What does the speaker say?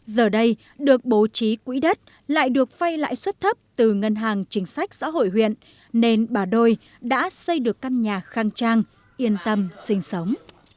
giờ đây được bố trí quỹ đất lại được vay lãi suất thấp từ ngân hàng chính sách xã hội huyện nên bà đôi đã xây được căn nhà khang trang yên tâm sinh sống